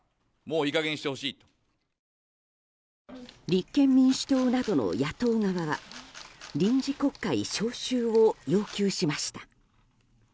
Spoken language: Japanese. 立憲民主党などの野党側は臨時国会召集を要求しました。